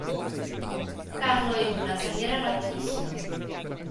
Carlo ebbe una carriera rapidissima.